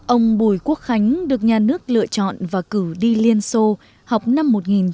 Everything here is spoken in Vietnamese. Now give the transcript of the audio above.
ông bùi quốc khánh được nhà nước lựa chọn và cử đi liên xô học năm một nghìn chín trăm tám mươi